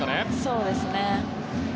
そうですね。